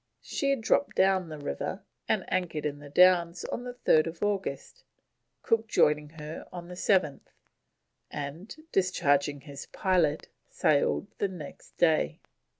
She had dropped down the river and anchored in the Downs on 3rd August, Cook joining her on the 7th and, discharging his pilot, sailed the next day.